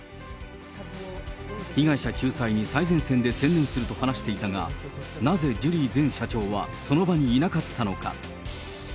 被害者救済に最前線で専念すると話していたが、なぜジュリー前社長はその場にいなかったのか。